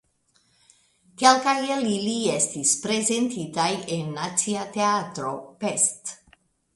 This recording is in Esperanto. Kelkaj el ili estis prezentitaj en Nacia Teatro (Pest).